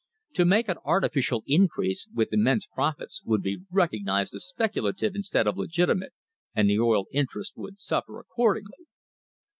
To make an artificial increase, with im mense profits, would be recognised as speculative instead of legitimate, and the oil interests would suffer accordingly.